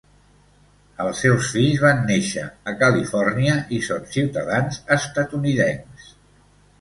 Els seus fills van néixer a Califòrnia i són ciutadans estatunidencs.